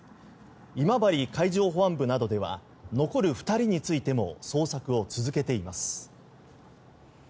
今治海上保安部などでは残る２人についても捜索を続けています。